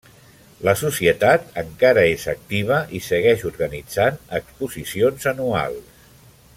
La societat encara és activa i segueix organitzant exposicions anuals.